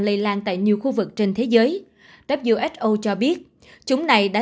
lây lan tại nhiều khu vực trên thế giới who cho biết chúng này đã